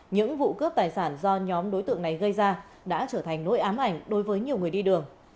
những vụ cướp tài sản do nhóm đối tượng này gây ra đã trở thành nỗi ám ảnh đối với nhiều người đi đường